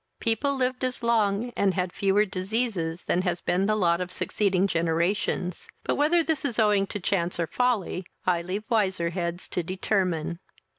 People lived as long, and had fewer diseases, than has been the lot of succeeding generations, but, whether this is owing to chance or folly, I leave wiser heads to determine.